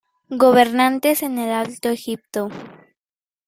Gobernantes en el Alto Egipto.